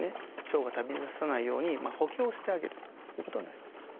腸が飛び出さないように補強してあげるということになります。